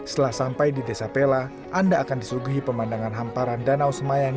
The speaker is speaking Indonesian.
setelah sampai di desa pela anda akan disuguhi pemandangan hamparan danau semayan